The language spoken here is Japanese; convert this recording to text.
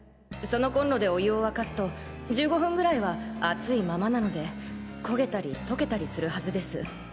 そのコンロでお湯を沸かすと１５分ぐらいは熱いままなのでコゲたり溶けたりするはずです。